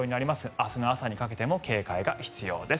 明日の朝にかけても警戒が必要です。